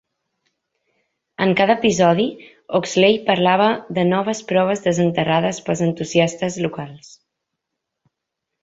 En cada episodi, Oxley parlava de "noves proves desenterrades pels entusiastes locals".